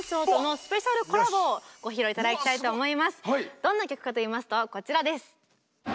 どんな曲かといいますとこちらです。